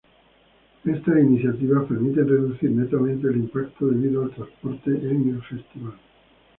Estas iniciativas permiten reducir netamente el impacto debido al transporte en el Festival.